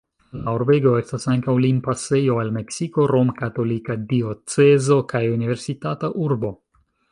La urbego estas ankaŭ limpasejo al Meksiko, romkatolika diocezo kaj universitata urbo.